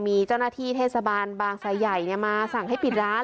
มีเจ้าหน้าที่เทศบาลบางไซใหญ่มาสั่งให้ปิดร้าน